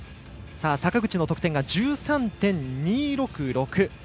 坂口の得点が１３．２６６。